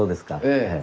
ええ。